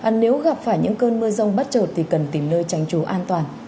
nếu gặp phải những cơn mưa rông bắt trợt thì cần tìm nơi tránh trú an toàn